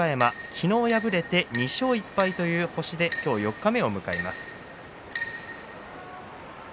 昨日、敗れて２勝１敗という星で今日、四日目を迎えました。